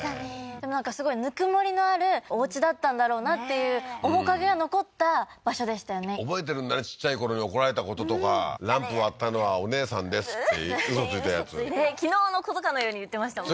でもなんかすごいぬくもりのあるおうちだったんだろうなっていう面影が残った場所でしたよね覚えてるんだねちっちゃいころに怒られたこととかランプ割ったのはお姉さんですってウソついたやつ昨日のことかのように言ってましたもんね